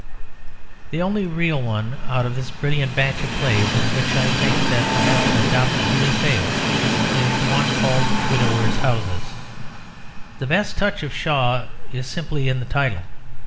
The only one out of this brilliant batch of plays in which I think that the method adopted really fails, is the one called Widower's Houses. The best touch of Shaw is simply in the title.